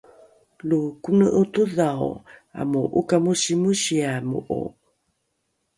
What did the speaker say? lo kone’o todhao amo’okamosimosiamo’o